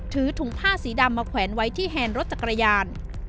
ถุงผ้าสีดำมาแขวนไว้ที่แฮนด์รถจักรยาน